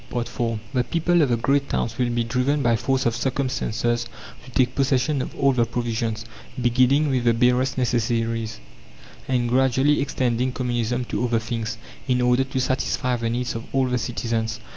IV The people of the great towns will be driven by force of circumstances to take possession of all the provisions, beginning with the barest necessaries, and gradually extending Communism to other things, in order to satisfy the needs of all the citizens.